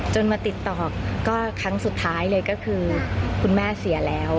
มาติดต่อก็ครั้งสุดท้ายเลยก็คือคุณแม่เสียแล้ว